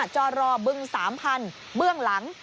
๖๐๕จอรอบึง๓๐๐๐เบื้องหลัง